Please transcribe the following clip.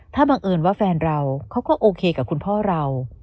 ถ้าบังเอิญว่าแฟนเราเขาก็โอเคกับคุณพ่อเรา